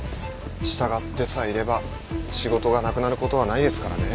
従ってさえいれば仕事がなくなることはないですからね。